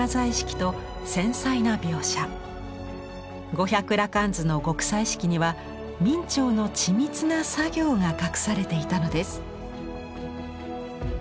「五百羅漢図」の極彩色には明兆の緻密な作業が隠されていたのです。